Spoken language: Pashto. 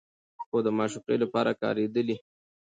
خو د معشوقې لپاره کارېدلي